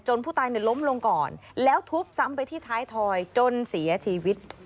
ผู้ตายล้มลงก่อนแล้วทุบซ้ำไปที่ท้ายถอยจนเสียชีวิต